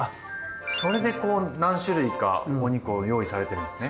それでこう何種類かお肉を用意されてるんですね。